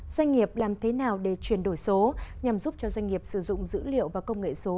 doanh nghiệp làm thế nào để chuyển đổi số nhằm giúp cho doanh nghiệp sử dụng dữ liệu và công nghệ số